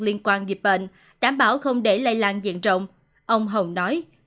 liên quan dịp bệnh đảm bảo không để lây lan diện rộng ông hồng nói